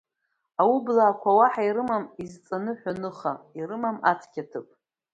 Аублаақуа уаҳа ирымам изҵаныҳәо аныха, ирымам ацқьа ҭыԥ!